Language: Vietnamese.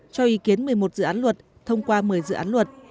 cho ý kiến một mươi một dự án luật thông qua một mươi dự án luật